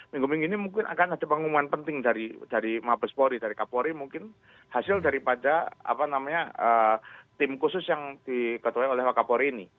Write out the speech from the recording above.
minggu minggu ini mungkin akan ada pengumuman penting dari mabespori dari kapolri mungkin hasil daripada tim khusus yang diketuai oleh wakapori ini